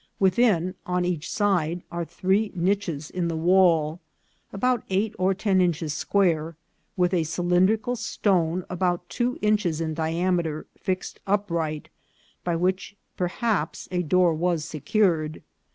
Within, on each side, are three nich es in the wall, about eight or ten inches square, with a cylindrical stone about two inches in diameter fixed up right, by which perhaps a door was secured.